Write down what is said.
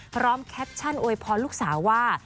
พร้อมแคปชั่นโวยพรลูกสาว่า